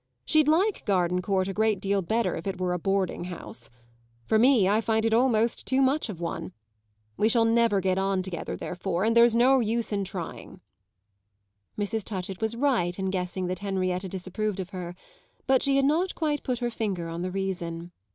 She'd like Gardencourt a great deal better if it were a boarding house. For me, I find it almost too much of one! We shall never get on together therefore, and there's no use trying." Mrs. Touchett was right in guessing that Henrietta disapproved of her, but she had not quite put her finger on the reason.